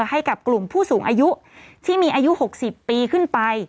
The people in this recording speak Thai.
ให้กับกลุ่มผู้สูงอายุที่มีอายุ๖๐ปีขึ้นไป